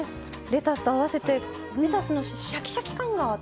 レタスと合わせてレタスのシャキシャキ感が楽しめる。